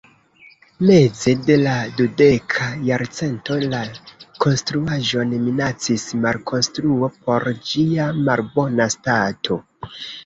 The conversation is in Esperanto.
Meze de la dudeka jarcento la konstruaĵon minacis malkonstruo pro ĝia malbona stato.